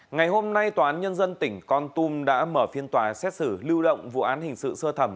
ngày hôm nay tòa án nhân dân tỉnh con tum đã mở phiên tòa xét xử lưu động vụ án hình sự sơ thẩm